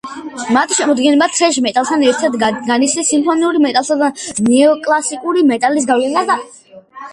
მათი შემოქმედება თრეშ მეტალთან ერთად განიცდის სიმფონიური მეტალისა და ნეო-კლასიკური მეტალის გავლენას.